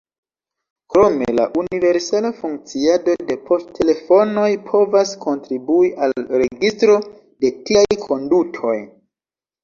Krome la universala funkciado de poŝtelefonoj povas kontribui al registro de tiaj kondutoj.